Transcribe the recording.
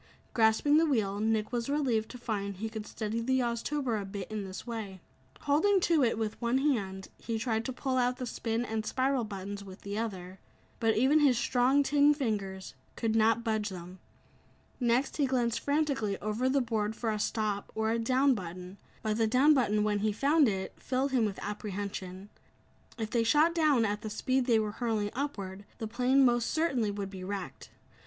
Grasping the wheel, Nick was relieved to find he could steady the Oztober a bit in this way. Holding to it with one hand, he tried to pull out the "spin" and "spiral" buttons with the other. But even his strong tin fingers could not budge them. Next, he glanced frantically over the board for a "stop" or a "down" button, but the "down" button when he found it, filled him with apprehension. If they shot down at the speed they were hurling upward, the plane most certainly would be wrecked.